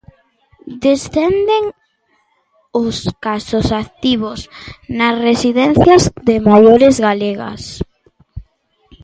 Descenden os casos activos nas residencias de maiores galegas.